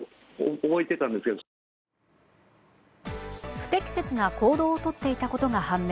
不適切な行動をとっていたことが判明。